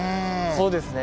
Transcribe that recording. そうですね